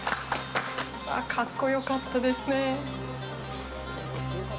かっこよかったですね。